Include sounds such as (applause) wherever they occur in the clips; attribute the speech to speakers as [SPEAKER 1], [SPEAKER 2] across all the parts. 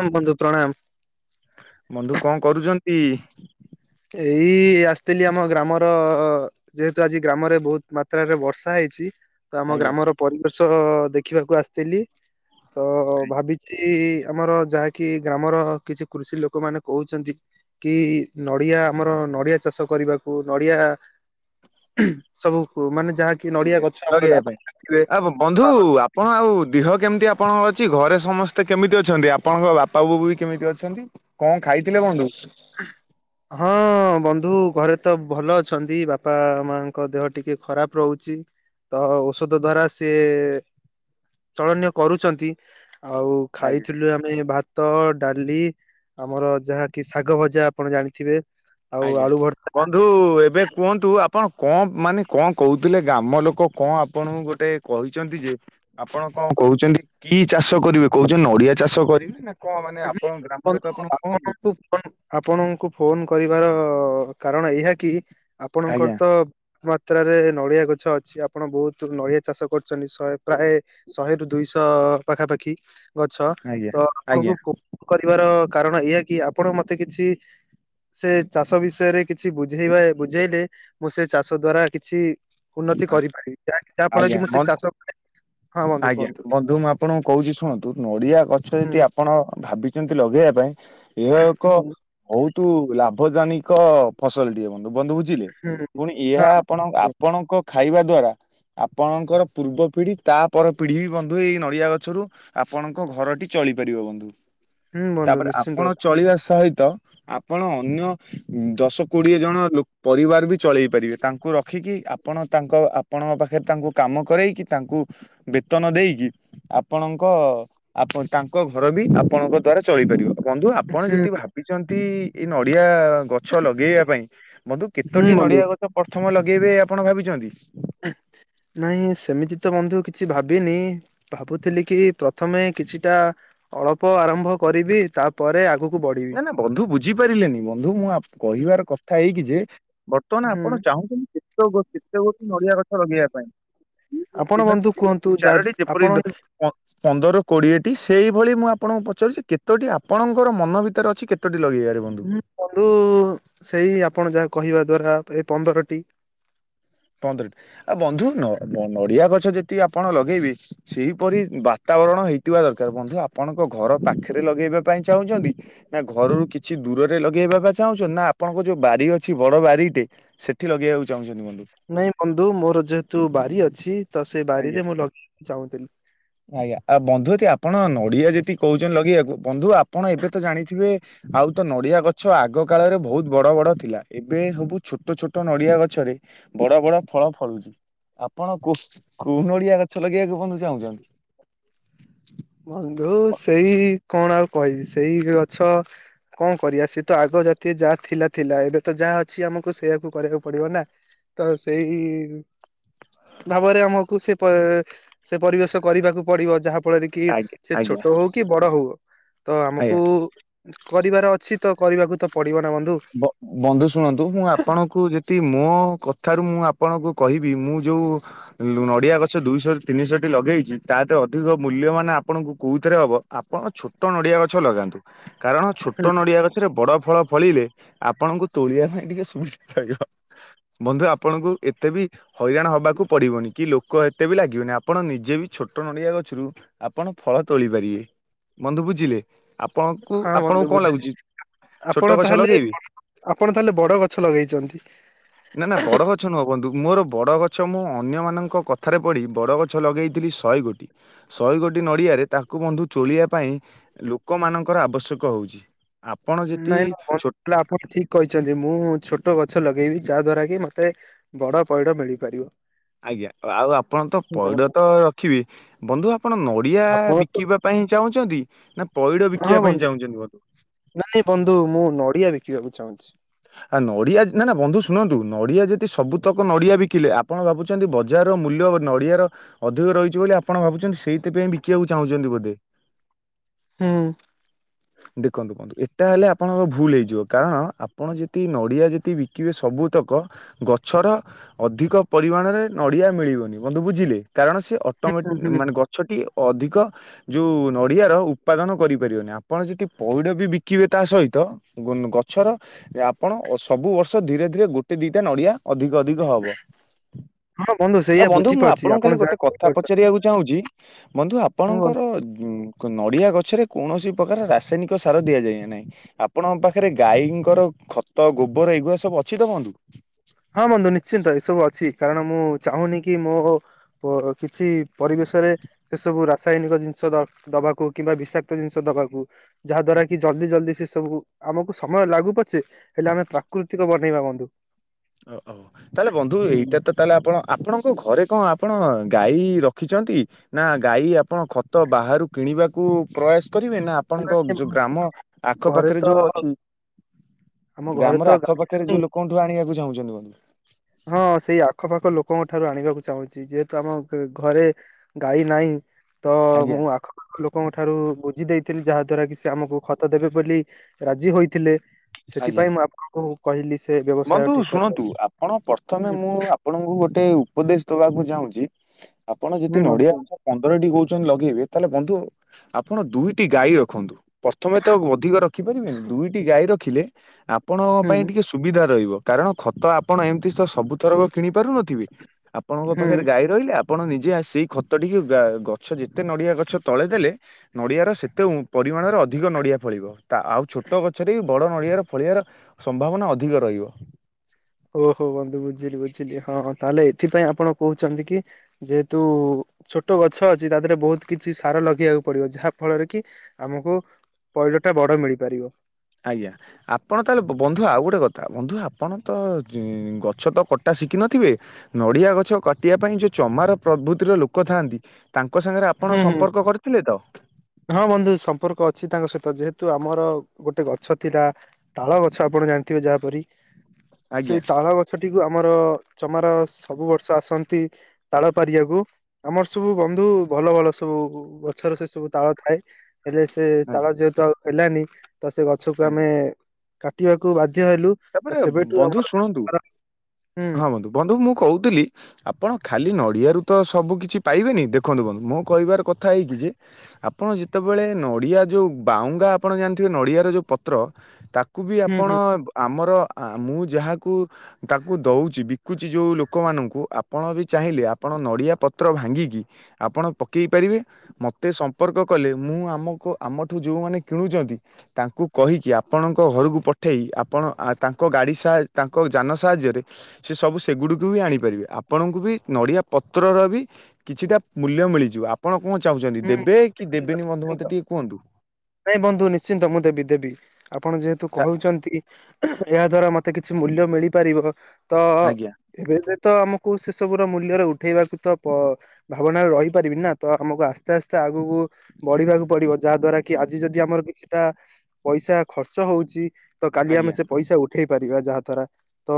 [SPEAKER 1] ବନ୍ଧୁ ପ୍ରଣାମ।
[SPEAKER 2] ବନ୍ଧୁ କଣ କରୁଛନ୍ତି?
[SPEAKER 1] ଏଇ ଆସିଥିଲି ଆମ ଗ୍ରାମର ଯେହେତୁ ଆଜି ଗ୍ରାମରେ ବହୁତ ମାତ୍ରାରେ ବର୍ଷା ହେଇଛି ତ ଆମ
[SPEAKER 2] ଆଜ୍ଞା।
[SPEAKER 1] ଗ୍ରାମର ପରିବେଶ ଦେଖିବାକୁ ଆସିଥିଲି ତ ଭାବିଛି ଆମର ଯାହା କିି ଗ୍ରାମର କିଛି କୃଷି ଲୋକ ମାନେ କହୁଛନ୍ତି କି ନଡିଆ ଆମର ନଡିଆ ଚାଷ କରିବାକୁ ନଡିଆ ସବୁକୁ ମାନେ ଯାହାକି ନଡିଆ ଗଛ ଆମର
[SPEAKER 2] ଲଗେଇବା
[SPEAKER 1] ଆପଣ
[SPEAKER 2] ପାଇଁ,
[SPEAKER 1] ଦେଖିଥିବେ।
[SPEAKER 2] ଆଉ ବନ୍ଧୁ
[SPEAKER 1] ହଁ
[SPEAKER 2] ଆପଣ ଆଉ ଦେହ କେମିତି ଆପ ଣଙ୍କ ଅଛି? ଘରେ ସମସ୍ତେ କେମିତି ଅଛନ୍ତି? ଆପଣଙ୍କ ବାପା ବୋଉ ବି କେମିତି ଅଛନ୍ତି? କଣ ଖାଇଥିଲେ ବନ୍ଧୁ?
[SPEAKER 1] ହଁ ବନ୍ଧୁ। ଘରେ ତ ଭଲ ଅଛନ୍ତି, ବାପା ମାଙ୍କ ଦେହ ଟିକେ ଖରାପ ରହୁଛି। ତ ଔଷଧ ଦ୍ଵାରା ସିଏ ଚଳନୀୟ କରୁଛନ୍ତି। ଆଉ
[SPEAKER 2] ଆଜ୍ଞା
[SPEAKER 1] ଖାଇଥିଲୁ ଆମେ ଭାତ, ଡାଲି ଆମର ଯାହାକି ଶାଗ ଭଜା, ଆପଣ ଜାଣିଥିବେ? ଆଉ
[SPEAKER 2] ଆଜ୍ଞା
[SPEAKER 1] ଆଳୁ ଭର୍ତ୍ତା
[SPEAKER 2] ବନ୍ଧୁ ଏବେ କୁହନ୍ତୁ ଆ ଆପଣ କଣ ମାନେ କଣ କହୁଥିଲେ? ଗ୍ରାମ ଲୋକ କଣ ଆପଣଙ୍କୁ ଗୋଟେ କହିଛନ୍ତି ଯେ, ଆପଣ କଣ କହୁଛନ୍ତି କି ଚାଷ କରିବେ, କହୁଛନ୍ତି ନଡିଆ ଚାଷ କରିବେ ନା କଣ ମାନେ ଆପଣ ଗ୍ରାମ
[SPEAKER 1] ହୁଁ
[SPEAKER 2] ଲୋକ ଆପଣ କଣ କହୁଛନ୍ତି?
[SPEAKER 1] ଆପଣଙ୍କୁ ଫୋନ୍, ଆପଣଙ୍କୁ ଫୋନ କରି ବାର କାରଣ ଏହିଆ କି, ଆପଣଙ୍କର
[SPEAKER 2] ଆଜ୍ଞା
[SPEAKER 1] ତ ବହୁ ମାତ୍ରାରେ ନଡିଆ ଗଛ ଅଛି। ଆପଣ ବହୁତ ନଡିଆ ଚାଷ କରୁଛନ୍ତି, ଶହେ ପ୍ରାୟ ଶହେରୁୁ ଦୁଇଶହ ପାଖାପାଖି ଖି ଗଛ
[SPEAKER 2] ଆଜ୍ଞା।
[SPEAKER 1] ତ ଆପଣ
[SPEAKER 2] ଆଜ୍ଞା
[SPEAKER 1] (unintelligible) କ କରିବାର। କାରଣ ଏଇଆ କି, ଆପଣ ମତେ କିଛି ସେ ଚାଷ ବିଷୟରେ କିଛି ବୁଝେଇବା ବୁଝେଇଲେ। ମୁଁ ସେ ଚାଷ ଦ୍ଵାରା କିଛି ଉନ୍ନତି କରିପାରିବି। ଯାହାକି ଯାହା ଫଳରେ କି
[SPEAKER 2] ଆଜ୍ଞା
[SPEAKER 1] ମୁଁ ସେ
[SPEAKER 2] ବନ୍ଧୁ
[SPEAKER 1] ଚାଷ (unintelligible) ବନ୍ଧୁ
[SPEAKER 2] ଆଜ୍ଞା
[SPEAKER 1] କୁହନ୍ତୁ।
[SPEAKER 2] ବନ୍ଧୁ ମୁଁ ଆପଣଙ୍କୁ କହୁଛି ଶୁଣନ୍ତୁ, ନଡିଆ ଗଛ ଯଦି
[SPEAKER 1] ହୁଁ
[SPEAKER 2] ଆପଣ ଭାବିଛନ୍ତି ଲଗେଇବା ପାଇଁ, ଏହା ଏକ
[SPEAKER 1] ହୁଁ
[SPEAKER 2] ବହୁତ ଲାଭ ଜାନିକ ଫସଲ ଟିଏ ବନ୍ଧୁ ବନ୍ଧୁ ବୁଝିଲେ,
[SPEAKER 1] ହୁଁ
[SPEAKER 2] ପୁଣି
[SPEAKER 1] ହଁ
[SPEAKER 2] ଏହା ଆପଣଙ୍କ
[SPEAKER 1] ବନ୍ଧୁ।
[SPEAKER 2] ଆପ ଣଙ୍କ ଖାଇବା ଦ୍ଵାରା। ଆପଣଙ୍କର ପୂର୍ବ ପିଢି ତା ପର ପିଢି ବି ବନ୍ଧୁ, ଏଇ ନଡିଆ ଗଛରୁ ଆପଣଙ୍କ ଘରଟି ଚ ଚଳି ପାରିବ ବନ୍ଧୁ,
[SPEAKER 1] ହୁଁ ବନ୍ଧୁ
[SPEAKER 2] ତାପରେ
[SPEAKER 1] ନିଶ୍ଚିନ୍ତ
[SPEAKER 2] ଆପଣ ଚଳିବା ସହିତ ତ ଆପଣ ଅନ୍ୟ ଦଶ କୋଡିଏ ଜଣ ଲୋ ପରିବାର ବି ଚଳେଇ ପାରିବେ। ତାଙ୍କୁ ରଖିକି ଆପଣ ତାଙ୍କ ଆପଣଙ୍କ ପାଖରେ ତାଙ୍କୁ କାମ କରେଇକି, ତାଙ୍କୁ ବେତନ ଦେଇକି ଆପଣ ଙ୍କ ଆପ ତାଙ୍କ ଘର ବି ଆପଣଙ୍କ ଦ୍ଵାରା ଚଳିପାରିବ। ବନ୍ଧୁ ଆପଣ
[SPEAKER 1] ହୁଁ
[SPEAKER 2] ଯଦି ଭାବିଛନ୍ତି, ଏଇ ନଡିଆ ଗଛ ଲଗେଇବା ପାଇଁ, ବନ୍ଧୁ
[SPEAKER 1] ହୁଁ
[SPEAKER 2] କେତୋଟି
[SPEAKER 1] ବନ୍ଧୁ।
[SPEAKER 2] ନଡିଆ ଗଛ ପ୍ରଥମ ଲଗେଇବେ ଆପଣ ଭାବିଛନ୍ତି?
[SPEAKER 1] ନାଇଁ ସେମିତି ତ ବନ୍ଧୁ କିଛି ଭାବିନି। ଭାବୁଥିଲି କି ପ୍ରଥମେ କିଛିଟା ଅଳ୍ପ ଆରମ୍ଭ କରିବି। ତାପରେ ଆଗକୁ ବଢିବି
[SPEAKER 2] ନା ନା ବନ୍ଧୁ ବୁଝିପାରିଲେନି, ବନ୍ଧୁ ମୁଁ କହିବାର କଥା ଏହିକି ଯେ ବର୍ତ୍ତମାନ
[SPEAKER 1] ହୁଁ
[SPEAKER 2] ଆପଣ ଚାହୁଁଛନ୍ତି, କେତେ ଗୋ କେତେ ଗୋଟି ନଡିଆ ଗଛ ଲଗେଇବା ପାଇଁ? ଦୁଇ ରୁ
[SPEAKER 1] ଆପଣ
[SPEAKER 2] ତିନୋଟି,
[SPEAKER 1] ବନ୍ଧୁ
[SPEAKER 2] ତିନୋଟି ରୁ
[SPEAKER 1] କୁହନ୍ତୁ ଯା
[SPEAKER 2] ଚାରଟି ଯେପରି
[SPEAKER 1] ଆପଣ ହୁଁ
[SPEAKER 2] ଅ ପନ୍ଦର କୋଡିଏଟି ସେଇଭଳି ମୁଁ ଆପଣଙ୍କୁ ପଚାରୁଛି। କେତୋଟି ଆପଣଙ୍କର ମନ ଭିତରେ ଅଛି କେତୋ
[SPEAKER 1] ହୁଁ ବନ୍ଧୁ ସେଇ ଆପଣ ଯାହା କହିବା ଦ୍ଵାରା ଏଇ ପନ୍ଦରଟି।
[SPEAKER 2] ପନ୍ଦରଟି, ଆ ବନ୍ଧୁ ନ ନଡିଆ ଗଛ ଯେତିକି ଆପଣ ଲଗେଇବେ ସେଇପରି ବାତା ବାରଣ ହେଇଥିବା ଦରକାର। ବନ୍ଧୁ ଆପଣଙ୍କ ଘର ପାଖରେ ଲଗେଇବା ପାଇଁ ଚାହୁଁଛନ୍ତି, ନା ଘରରୁ କିଛି ଦୁ ଦୂରରେ ଲଗେଇବା ବା ଚାହୁଁଛନ୍ତି। ନା ଆପଣଙ୍କ ଯୋଉ ବାରି ଅଛି, ବଡ ବାରିଟେ ସେଠି ଲଗେଇବାକୁ ଚାହୁଁଛନ୍ତି ବନ୍ଧୁ।
[SPEAKER 1] ନାଇଁ ବନ୍ଧୁ ମୋର ଯେହେତୁ ବାରି ଅଛି ତ ସେ
[SPEAKER 2] ଆଜ୍ଞା।
[SPEAKER 1] ବାରିରେ ମୁଁ ଲଗେଇବାକୁ ଚାହୁଁଥିଲି।
[SPEAKER 2] ଆଜ୍ଞା ଆଉ ବନ୍ଧୁ ଯଦି ଆପଣ ନଡିଆ ଯଦି କହୁଛନ୍ତି ଲଗେଇବାକୁ। ବନ୍ଧୁ ଆପଣ ଏବେ ତ ଜାଣିଥିବେ, ଆଉ ତ ନଡିଆ ଗ ଛ ଆଗ କାଳରେ ବହୁତ ବଡ ବଡ ଥିଲା। ଏବେ ସବୁ ଛୋଟ ଛୋଟ ନଡିଆ ଗଛରେ ବଡ ବଡ ଫ ଳ ଫଳୁଛି। ଆପଣ କୋ କୋଉ ନଡିଆ ଗଛ ଲଗେଇବାକୁ ବନ୍ଧୁ ଚାହୁଁଛନ୍ତି?
[SPEAKER 1] ବନ୍ଧୁ ସେଇ କଣ ଆଉ କହିବି, ସେଇ ଗଛ କଣ କରିବା ସେ ତ ଆଗ ଜାତୀୟ ଯାହା ଥିଲା ଥିଲା। ଏବେ ତ ଯାହା ଅଛି ଆମକୁ ସେଇଆକୁ କରିବାକୁ ପଡିବ ନା। ତ ସେଇ ଭାବରେ ଆମକୁ ସେପ ସେ ପରିବେଶ କରିବାକୁ ପଡିବ, ଯାହା ଫଳରେ କି
[SPEAKER 2] ଆଜ୍ଞା
[SPEAKER 1] ସେ
[SPEAKER 2] ଆଜ୍ଞା
[SPEAKER 1] ଛୋଟ ହଉ କି ବଡ ହଉ, ତ
[SPEAKER 2] ଆଜ୍ଞା
[SPEAKER 1] ଆମକୁ କରିବାର ଅଛି। ତ କରିବାକୁ ତ ପ
[SPEAKER 2] ବ ବନ୍ଧୁ ଶୁଣନ୍ତୁ ମୁଁ ଆପଣଙ୍କୁ ଯେତିକି ମୋ ଠାରୁ ମୁଁ ଆପଣଙ୍କୁ କହିବି, ମୁଁ ଯୋଉ ନଡିଆ ଗଛ ଦୁଇଶହ ରୁ ତିନିଶହ ଟି ଲଗେଇଛି। ତା ତ ଅଧିକ ମୂଲ୍ୟବାନ ଆପଣଙ୍କୁ କୋଉଥିରେ ହବ, ଆପଣ ଛୋଟ ନଡିଆ ଗଛ ଲଗାନ୍ତୁ। କାରଣ ଛୋଟ ନଡ଼ିଆ ଗଛରେ ବଡ଼ ଫଳ ଫଳିଲେ ଆପଣଙ୍କୁ ତୋଳିବା ପାଇଁ ଟିକେ ସୁବିଧା ରହିବ। ବନ୍ଧୁ ଆପଣଙ୍କୁ ଏତେ ବି ହଇରାଣ ହବାକୁ ପଡିବନି। କି ଲୋକ ଏତେ ବି ଲାଗିବନି। ଆପଣ ନିଜେ ବି ଛୋଟ ନଡିଆ ଗଛରୁ ଆପଣ ଫଳ ତୋଳି ପାରିବେ। ବନ୍ଧୁ ବୁଝିଲେ, ଆପଣଙ୍କୁ
[SPEAKER 1] ହଁ ବନ୍ଧୁ
[SPEAKER 2] ଆପଣଙ୍କୁ କଣ
[SPEAKER 1] ବୁଝୁଛି
[SPEAKER 2] ଲାଗୁଛି ଛୋଟ
[SPEAKER 1] ଆପଣ
[SPEAKER 2] ଗଛ
[SPEAKER 1] ତାହେଲେ
[SPEAKER 2] ଲଗେଇବି?
[SPEAKER 1] ଆପଣ ତାହେଲେ ବଡ ଗଛ ଲଗେଇଛନ୍ତି।
[SPEAKER 2] ନା ନା ବଡ ଗଛ ନୁହଁ ବନ୍ଧୁ, ମୋର ବଡ଼ ଗଛ ମୁଁ ଅନ୍ୟମାନଙ୍କ କଥାରେ ପଢ଼ି ବଡ଼ ଗଛ ଲଗେଇଥିଲି ଶହେ ଶହେ ଗୋଟି। ଶହେ ଗୋଟି ନଡ଼ିଆ ତାକୁ ବନ୍ଧୁ ତୋଳିବା ପାଇଁ ଲୋକ ମାନଙ୍କର ଆବଶ୍ୟକ ହଉଚି। ଆପଣ ଯଦି ଛୋ
[SPEAKER 1] ହେଲେ ଆପଣ ଠିକ୍ କହିଛନ୍ତି। ମୁଁ ଛୋଟ ଗଛ ଲଗେଇବି ଯାହା ଦ୍ଵାରା କି ମତେ ବଡ ପଇଡ ମିଳିପାରିବ।
[SPEAKER 2] ଆଜ୍ଞା। ଆଉ ଆପଣ ତ ପଇଡ ତ ରଖିବି ବନ୍ଧୁ ଆ ଆପଣ ନଡିଆ
[SPEAKER 1] ଆପଣ ତ
[SPEAKER 2] ବିକିବା ପାଇଁ ଚାହୁଁଛନ୍ତି ନା ପଇଡ
[SPEAKER 1] ହଁ
[SPEAKER 2] ବିକିବା ପାଇଁ
[SPEAKER 1] ବନ୍ଧୁ
[SPEAKER 2] ଚାହୁଁଛନ୍ତି ବ
[SPEAKER 1] ନାଇଁ ନାଇଁ ବନ୍ଧୁ ମୁଁ ନଡିଆ ବିକିବାକୁ ଚାହୁଁଚି।
[SPEAKER 2] ଆ ନଡିଆ ନା ନା ବନ୍ଧୁ ଶୁଣନ୍ତୁ ନଡିଆ ଯଦି ସବୁତକ ନଡିଆ ବିକିଲେ ଆପଣ ଭାବୁଛନ୍ତି ବଜାର ମୂଲ୍ୟ ନଡିଆର ଅଧିକ ରହିଛି ବୋଲି, ଆପଣ ଭାବୁଛନ୍ତି ସେଇଥିପାଇଁ ବିକିବାକୁ ଚାହୁଁଛନ୍ତି ବୋଧେ।
[SPEAKER 1] ହୁଁ।
[SPEAKER 2] ଦେଖନ୍ତୁ ବନ୍ଧୁ ଏଟା ହେଲେ ଆପଣଙ୍କର ଭୁଲ ହେଇଯିବ। କାରଣ ଆ ଆପଣ ଯଦି ନଡ଼ିଆ ଯଦି ବିକିବେ ସବୁତକ ଗଛର ଅଧିକ ପରିମାଣରେ ନଡି (unintelligible) ମିଳିବନି ବନ୍ଧୁ ବୁଝିଲେ। କାରଣ ସେ ଅଟୋମେ
[SPEAKER 1] ହୁଁ ହୁଁ।
[SPEAKER 2] ମାନେ ଗଛଟି ଅଧିକ ଯୋଉ ନଡ଼ିଆର ଉତ୍ପାଦନ କରିପାରିବେନି। ଆପଣ ଯଦି ପଇଡ଼ ବି ବିକିବେ ତା ସହିତ ଗଛର ଆପଣ ସବୁ ବର୍ଷ ଧୀରେ ଧୀରେ ଗୋଟେ ଦିଟା ନଡିଆ ଅଧିକ ଅଧିକ ହବ।
[SPEAKER 1] ହଁ ବନ୍ଧୁ
[SPEAKER 2] ଆଉ
[SPEAKER 1] ସେଇଆ
[SPEAKER 2] ବନ୍ଧୁ ମୁଁ
[SPEAKER 1] ବୁଝିପାରୁଛି
[SPEAKER 2] ଆପଣଙ୍କୁ
[SPEAKER 1] ଆପଣ
[SPEAKER 2] ଖାଲି
[SPEAKER 1] ଯାହା
[SPEAKER 2] ଗୋଟେ କଥା
[SPEAKER 1] କହିପାରୁଛନ୍ତି।
[SPEAKER 2] ପଚାରିବାକୁ ଚାହୁଁଚି ବନ୍ଧୁ ଆପଣଙ୍କର ନଡିଆ ଗଛରେ କୌଣସି ପ୍ରକାର ରାସାୟନିକ ସାର ଦିଆଯାଏ ନାହିଁ। ଆପଣଙ୍କ ପାଖରେ ଗାଈ ଙ୍କର ଖତ ଗୋବର ଏଗୁରା ସବୁ ଅଛି ତ ବନ୍ଧୁ?
[SPEAKER 1] ହଁ ବନ୍ଧୁ ନିଶ୍ଚିନ୍ତ ଏସବୁ ଅଛି। କାରଣ ମୁଁ ଚାହୁଁନି କି ମୋ କିଛି ପରିବେଶରେ ସେସବୁ ରାସାୟନିକ ଜିନିଷ (unintelligible) ଦବାକୁ କିମ୍ବା ବିଷାକ୍ତ ଜିନିଷ ଦବାକୁ ଯାହା ଦ୍ଵାରା କି ଜଲଦି ଜଲଦି ସେ ସବୁ ଆମକୁ ସମୟ ଲାଗୁ ପଛେ ହେଲେ ଆମେ ପ୍ରାକୃତିକ ବନେଇବା ବନ୍ଧୁ।
[SPEAKER 2] ଓ ଓ ତାହେଲେ ବନ୍ଧୁ
[SPEAKER 1] ହୁଁ।
[SPEAKER 2] ଏଇଟା ତ ତାହେଲେ ଆପଣ ଆପଣଙ୍କ ଘରେ କଣ ଆପଣ ଗାଈ ରଖ ରଖିଛନ୍ତି। ନା ଗାଈ ଆପଣ ଖତ ବାହାରୁ କିଣିବାକୁ ପ୍ରୟାସ କରିବେ ନା ଆପଣଙ୍କ ଯୋଉ ଗ୍ରାମ ଆଖ
[SPEAKER 1] ଘରେ
[SPEAKER 2] ପାଖରେ
[SPEAKER 1] ତ
[SPEAKER 2] ଯୋଉ ଅଛି
[SPEAKER 1] ଆମ ଘରେ
[SPEAKER 2] ଗ୍ରାମର
[SPEAKER 1] ତ ଗାଡି
[SPEAKER 2] ଆଖପାଖରେ
[SPEAKER 1] ନାହିଁ
[SPEAKER 2] ଯୋଉ ଲୋକଙ୍କଠୁ ଆଣିବାକୁ ଚାହୁଁଛନ୍ତି ବନ୍ଧୁ।
[SPEAKER 1] ହଁ ସେଇ ଆଖପାଖ ଲୋକଙ୍କ ଠାରୁ ଆଣିବାକୁ ଚାହୁଁଚି। ଯେହେତୁ ଆମ ଘରେ ଗାଈ ନାହିଁ ତ
[SPEAKER 2] ଆଜ୍ଞା।
[SPEAKER 1] ମୁଁ ଆଖପାଖ ଲୋକଙ୍କ ଠାରୁ ବୁଝି ଦେଇ ଥିଲି। ଯାହା ଦ୍ଵାରା କି ସେ ଆମକୁ ଖତ ଦେବେ ବୋଲି ରାଜି ହୋଇଥିଲେ।
[SPEAKER 2] ଆଜ୍ଞା
[SPEAKER 1] ସେଥିପାଇଁ ମୁଁ ଆପଣ ଙ୍କୁ
[SPEAKER 2] ବନ୍ଧୁ ଶୁଣନ୍ତୁ ଆପଣ ବର ପ୍ରଥମେ
[SPEAKER 1] ହୁଁ
[SPEAKER 2] ମୁଁ ଆପଣଙ୍କୁ ଗୋଟେ ଉପଦେଶ ଦବାକୁ ଚାହୁଁଚି। ଆପଣ ଯଦି
[SPEAKER 1] ହୁଁ ବନ୍ଧୁ
[SPEAKER 2] ନଡିଆ ଗଛ
[SPEAKER 1] କୁହନ୍ତୁ।
[SPEAKER 2] ପନ୍ଦରଟି। (unintelligible) ଚନ୍ତି ଲଗେଇବେ ତାହେଲେ ବନ୍ଧୁ ଆପଣ ଦୁଇଟି ଗାଈ ରଖନ୍ତୁ। ପ୍ରଥମେ ତ ଅଧିକ ରଖିପାରିବେନି। ଦୁଇଟି ଗାଈ ରଖିଲେ ଆପଣଙ୍କ ପାଇଁ
[SPEAKER 1] ହୁଁ
[SPEAKER 2] ଟିକେ ସୁ ସୁବିଧା ରହିବ। କାରଣ ଖତ ଆପଣ ଏମିତି ତ ସବୁଥରକ କିଣି ପାରୁନଥିବେ ଆପଣଙ୍କ ପାଖରେ
[SPEAKER 1] ହୁଁ
[SPEAKER 2] ଗାଈ ରହିଲା ଆପଣ ନିଜେ ଆସି ଖତ ଟିକେ ଗା ଗଛ ଯେତେ ନଡିଆ ଗଛ ତଳେ ଦେଲେ ନଡିଆର ସେତେ ଉ ପରି ପରିମାଣରେ ଅଧିକ ନଡ଼ିଆ ଫଳିବ। ଆଉ ଛୋଟ ଗଛରେ ବି ବଡ଼ ନଡ଼ିଆରେ ଫଳିବାର ସମ୍ଭାବନା ଅଧି ଅଧିକ ରହିବ।
[SPEAKER 1] ଓହୋ ବନ୍ଧୁ ବୁଝିଲି ବୁଝିଲି ହଁ ହଁ ତାହେଲେ ଏଥିପାଇଁ ଆପଣ କହୁଛନ୍ତି କି ଯେହେତୁ ଛୋଟ ଗଛ ଅଛି ତା ଦେହରେ ବହୁତ କିଛି ସାର ଲଗେଇବାକୁ ପଡିବ ଯାହା ଫଳରେ କି ଆମକୁ ପଇଡ଼ଟା ବଡ ମିଳିପାରିବ।
[SPEAKER 2] ଆଜ୍ଞା ଆପଣ ତାହେଲେ ବନ୍ଧୁ ଆଉ ଗୋଟେ କଥା ବନ୍ଧୁ ଆପଣ ତ ଗଛ ତ କଟା ଶିଖିନଥିବେ ନଡ଼ିଆ ଗଛ କାଟିବା ପାଇଁ ଯୋଉ ଚମାର ପ୍ରଭୃତିର ଲୋକ ଥାଆନ୍ତି। ତାଙ୍କ ସାଙ୍ଗରେ ଆପଣ
[SPEAKER 1] ହୁଁ ହୁଁ
[SPEAKER 2] ସମ୍ପର୍କ କରିଥିଲେ ତ?
[SPEAKER 1] ହଁ ବନ୍ଧୁ ସମ୍ପର୍କ ଅଛି ତାଙ୍କ ସହିତ ଯେହେତୁ ଆମର ଗୋଟେ ଗଛ ଥିଲା ତାଳ ଗଛ ଆପଣ ଜାଣିଥିବେ ଯାହାପରି।
[SPEAKER 2] ଆଜ୍ଞା
[SPEAKER 1] ସେଇ ତାଳ ଗଛଟିକୁ ଆମର ଚମାର ସବୁ ବର୍ଷ ଆସନ୍ତି। ତାଳ ପାରିବାକୁ ଆମର ସବୁ ବନ୍ଧୁ ଭଲ ଭଲ ସବୁ ଗଛର ସେ ସବୁ ତାଳ ଥାଏ। ହେଲେ ସେ
[SPEAKER 2] ଆଜ୍ଞା।
[SPEAKER 1] ତାଳ ଯେହେତୁ ଆଉ ହେଲାନି ତ ସେ ଗଛକୁ
[SPEAKER 2] ଆଜ୍ଞା।
[SPEAKER 1] ଆମେ କାଟିବାକୁ ବାଧ୍ୟ ହେଲୁ ତ
[SPEAKER 2] ତାପରେ
[SPEAKER 1] ସେବେଠୁ
[SPEAKER 2] ବନ୍ଧୁ
[SPEAKER 1] ଆମର ସେ
[SPEAKER 2] ଶୁଣନ୍ତୁ।
[SPEAKER 1] ପ୍ରକାର- ହୁଁ
[SPEAKER 2] ହଁ ବନ୍ଧୁ ବନ୍ଧୁ ମୁଁ କହୁଥିଲି ଆପଣ ଖାଲି ନଡିଆରୁ ତ ସବୁ କିିଛି ପାଇବେନି ଦେଖନ୍ତୁ ବଂଧୁ ମୁଁ କହିବାର କଥା ହେଇକି ଯେ ଆପ ଆପଣ ଯେତେବେଳେ ନଡ଼ିଆ ଯେଉଁ ବାଉଙ୍ଗା ଆପଣ ଜାଣିଥିବେ ନଡ଼ିଆର ଯେଉଁ ପତ୍ର ତାକୁ ବି
[SPEAKER 1] ହୁଁ
[SPEAKER 2] ଆପଣ
[SPEAKER 1] ହୁଁ
[SPEAKER 2] ଆମର ମୁଁ ଯାହାକୁ ତାକୁ ଦଉଚି ବିକୁଚି ଯଉ ଲୋକମାନଙ୍କୁ ଆପଣ ବି ଚାହିଁଲେ ଆପ ଆପଣ ନଡ଼ିଆ ପତ୍ର ଭାଙ୍ଗିକି ଆପଣ ପକେଇ ପାରିବେ ମୋତେ ସମ୍ପର୍କ କଲେ ମୁଁ ଆମକୁ ଆମଠୁ ଯଉମାନେ କିଣୁଛନ୍ତି ତାଙ୍କୁ କହିକି ଆପଣଙ୍କ ଘରକୁ ପ ଉଠେଇ ଆପଣ ତାଙ୍କ ଗାଡି ସାହା ତାଙ୍କ ଯାନ ସାହାଯ୍ୟରେ ସେସବୁ ସେଗୁଡ଼ିକୁ ବି ଆଣିପାରିବେ ଆପଣଙ୍କୁ ବି ନଡ଼ିଆ ପତ୍ରର ବି କିଛିଟା ମୂଲ୍ୟ ମିଳିଯିବ ଆପଣ କଣ ଚାହୁଁଛନ୍ତି
[SPEAKER 1] ହୁଁ
[SPEAKER 2] ଦେବେ କି ଦେବେନି ବଧୁ ମତେ
[SPEAKER 1] ନିଶ୍ଚିନ୍ତ
[SPEAKER 2] ଟିକେ କୁହନ୍ତୁ?
[SPEAKER 1] ନାଇଁ ବନ୍ଧୁ ନିଶ୍ଚିନ୍ତ ମୁଁ ଦେବି ଦେବି ଆପଣ ଯେହେତୁ
[SPEAKER 2] ତା
[SPEAKER 1] କହୁଛନ୍ତି ଏହା ଦ୍ଵାରା ମତେ କି କିଛି ମୂଲ୍ୟ ମିଳିପାରିବ ତ
[SPEAKER 2] ଆଜ୍ଞା
[SPEAKER 1] ଏବେ ଏବେ ତ ଆମ ମୁଁ ସେସବୁର ମୂଲ୍ୟରେ ଉଠେଇବାକୁ ତ ଭାବନାରେ ରହିପାରିବି ନା ତ ଆମକୁ ଆସ୍ତେ ଆସ୍ତେ ଆଗକୁ କୁ ବଢିବାକୁ ପଡିବ ଯାହା ଦ୍ଵା କି ଆଜି ଯଦି ଆମର କିଛିଟା ପଇସା ଖର୍ଚ୍ଚ ହଉଚି ତ କାଲି ଆମେ
[SPEAKER 2] ଆଜ୍ଞା
[SPEAKER 1] ସେ ପଇସା ଉ ହେଇପାରିବା ଯାହା ଦ୍ୱାରା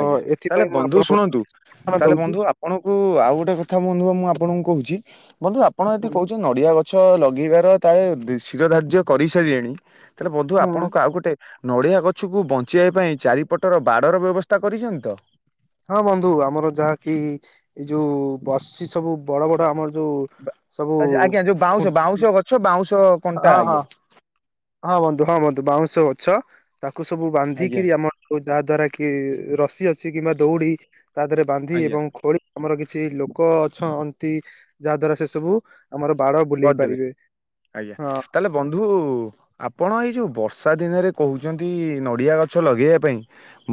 [SPEAKER 2] ଆଜ୍ଞା ତାହେଲେ ବନ୍ଧୁ ଶୁଣନ୍ତୁ
[SPEAKER 1] ଉଦାହରଣ
[SPEAKER 2] ତାହଲେ
[SPEAKER 1] ଦଉଛି
[SPEAKER 2] ବନ୍ଧୁ ଆପଣଙ୍କୁ ଆଉ ଗୋଟେ କଥା ବନ୍ଧୁ ବା ମୁଁ ଆପଣଙ୍କୁ କହୁଛି। ବନ୍ଧୁ ଆପଣ ଯଦି
[SPEAKER 1] ହୁଁ
[SPEAKER 2] କହୁଛନ୍ତି ନଡିଆ ଗ ଛ ଲଗେଇବାର ତାଳେ ଶିର ଧାର୍ଯ୍ୟ କରିସାରିଲେଣି ତାହେଲେ ବନ୍ଧୁ
[SPEAKER 1] ହୁଁ
[SPEAKER 2] ଆପଣଙ୍କୁ ଆଉ ଗୋଟେ ନଡ଼ିଆ ଗଛକୁ ବଞ୍ଚେଇବା ପାଇଁ ଚାରିପଟର ବାଡ଼ର ବ୍ୟବସ୍ଥା କରିଛନ୍ତି ତ?
[SPEAKER 1] ହଁ ବନ୍ଧୁ ଆମର ଯାହାକି ଏଇ ଯୋଉ ବସିଛି ସବୁ ବଡ ବଡ ଆମର ଯୋଉ ସବୁ
[SPEAKER 2] ଆଜ୍ଞା ଆଜ୍ଞା ଯୋଉ
[SPEAKER 1] ଖୁଁ
[SPEAKER 2] ବାଉଁଶ ବାଉଁଶ ଗଛ ବାଉଁଶ କଣ୍ଟା
[SPEAKER 1] ହଁ ହଁ
[SPEAKER 2] ଆଜ୍ଞା।
[SPEAKER 1] ହଁ ବନ୍ଧୁ ହଁ ବନ୍ଧୁ ବାଉଁଶ ଗଛ ତାକୁ ସବୁ
[SPEAKER 2] ଆଜ୍ଞା
[SPEAKER 1] ବାନ୍ଧିକିରି ଆମର ଥୋ ଯାହା ଦ୍ଵାରା କି ରସି ଅଛି କିମ୍ବା ଦୌଡ଼ି ତା ଦେହରେ ବାନ୍ଧି
[SPEAKER 2] ଆଜ୍ଞା।
[SPEAKER 1] ଏବଂ ଖୋଳି ଆମର କିଛି ଲୋକ ଅଛନ୍ତି ଯାହା ଦ୍ଵାରା ସେ ସବୁ ଆମର ବାଡ ବୁଲେଇ
[SPEAKER 2] କରିଦେବେ
[SPEAKER 1] ପାରିବେ
[SPEAKER 2] ଆଜ୍ଞା
[SPEAKER 1] ହଁ
[SPEAKER 2] ତାହେଲେ ବନ୍ଧୁ ଉ ଆପଣ ଏଇ ଯୋଉ ବର୍ଷା ଦିନରେ କହୁଚନ୍ତି ନଡିଆ ଗଛ ଲଗେଇବା ପାଇଁ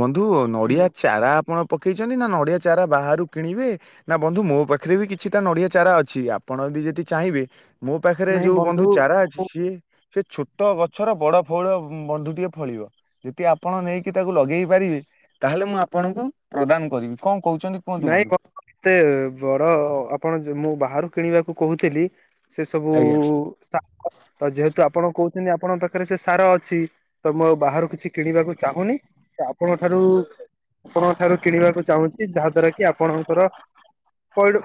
[SPEAKER 2] ବନ୍ଧୁ
[SPEAKER 1] ହୁଁ।
[SPEAKER 2] ନଡ଼ିଆ ଚାରା ଆପଣ ପକେଇଛନ୍ତି ନା ନଡ଼ିଆ ଚାରା ବାହାରୁ କିଣିବେ ନା ବନ୍ଧୁ ମୋ ପାଖରେ ବି କିଛିଟା ନଡ଼ିଆ ଚାରା ଅଛି ଆପଣ ଯଦି ଚାହିଁବି ମୋ ପାଖରେ ଯୋଉ ବନ୍ଧୁ ଚାରା ଅଛି
[SPEAKER 1] ମୁଁ-
[SPEAKER 2] ସିଏ ସେ ଛୋଟ ଗଛର ବଡ଼ ଫଉଳ ବନ୍ଧୁଟିଏ ଫଳିବ ଯେଦି ଆପଣ ନେଇକି ତାକୁ ଲଗେଇ ପାରିବେ। ତାହେଲେ ମୁଁ ଆପଣଙ୍କୁ ପ୍ରଦାନ କରିବି କଣ କହୁଛନ୍ତି କୁହନ୍ତୁ
[SPEAKER 1] ନାଇଁ
[SPEAKER 2] ବନ୍ଧୁ
[SPEAKER 1] କଣ ଏତେ ବଡ ଆପଣ ମୁଁ ବାହାରୁ କିଣିବାକୁ କହୁଥିଲି। ସେ ସବୁ
[SPEAKER 2] ଆଜ୍ଞା।
[SPEAKER 1] ତ ଯେହେତୁ ଆପଣ କହୁଛନ୍ତି ଆପଣଙ୍କ ପାଖରେ ସେ ସାର ଅଛି ତ ମୁଁ ବାହାରୁ କିଛି କିଣିବାକୁ ଚାହୁଁନି ସେ ଆପଣଙ୍କ ଠାରୁ ରୁ ଆପଣଙ୍କ ଠାରୁ କିଣିବାକୁ ଚାହୁଁଛି ଯାହା ଦ୍ଵାରା କି ଆପଣଙ୍କର ପଇଡ଼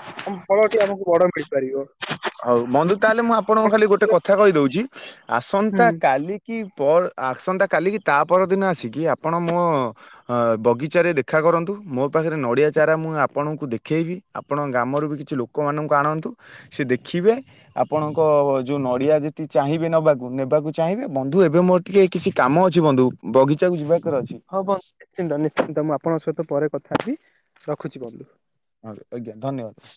[SPEAKER 1] ଫଳଟି ଆମକୁ ବଡ ମିଳିପାରିବ।
[SPEAKER 2] ହଉ ବନ୍ଧୁ
[SPEAKER 1] ଯୋଉଠି
[SPEAKER 2] ତାହେଲେ ମୁଁ ଆପଣଙ୍କୁ ଖାଲି ଗୋଟେ କଥା କହିଦଉଛି
[SPEAKER 1] ହୁଁ
[SPEAKER 2] ଆସନ୍ତା କାଲି କି ପର ଆସନ୍ତା କାଲିକି ତା ପରଦିନ ଆସିକି ଆପଣ ମୋ ବଗିଚାରେ ଦେଖା କରନ୍ତୁ। ମୋ ପାଖରେ ନଡ଼ିଆ ଚାରା ମୁଁ ଆପଣଙ୍କୁ ଦେଖେଇବି ଆପଣଙ୍କ ଗ୍ରାମରୁ ବି କିଛି ଲୋକମାନଙ୍କୁ ଆଣନ୍ତୁସେ ଦେକ ଖିବେ ଆପଣଙ୍କ ଯୋଉ ନଡ଼ିଆ ଯଦି ଚାହିଁବେ ନେବାକୁ ନେବାକୁ ଚାହିଁବେ ବନ୍ଧୁ ଏବେ ମୋର ଟିକେ କିଛି କାମ ଅଛି ବନ୍ଧୁ ବଗିଚାକୁ ଯିବା
[SPEAKER 1] ହଁ ବନ୍ଧ- ନିଶ୍ଚିନ୍ତ ନିଶ୍ଚିନ୍ତ ମୁଁ ଆପଣଙ୍କ ସହିତ ପରେ କଥା ହେବି ରଖୁଛି ବନ୍ଧୁ।
[SPEAKER 2] ଆ ଆଜ୍ଞା ଧନ୍ୟବାଦ।